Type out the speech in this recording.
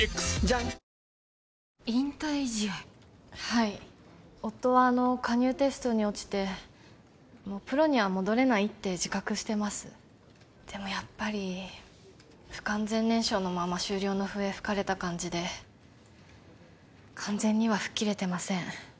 はい夫はあの加入テストに落ちてもうプロには戻れないって自覚してますでもやっぱり不完全燃焼のまま終了の笛吹かれた感じで完全には吹っ切れてません